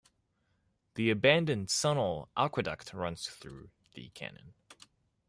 The abandoned Sunol Aqueduct runs through the canyon.